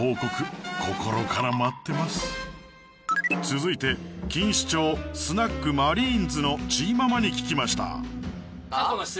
続いて錦糸町スナック ＭＡＲＩＮＥ’Ｓ のチーママに聞きました